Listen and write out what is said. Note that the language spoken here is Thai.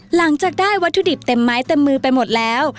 หลังจากได้วัตถุดิบเต็มไม้เต็มมือไปหมดแล้ว